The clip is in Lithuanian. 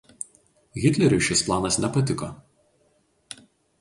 Hitleriui šis planas nepatiko.